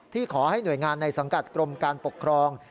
ขอให้หน่วยงานในสังกัดกรมการปกครอง